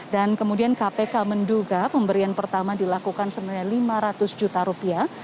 dan kemudian kpk menduga pemberian pertama dilakukan senilai lima ratus juta rupiah